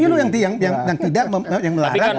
undang undang pemilu yang tidak melarang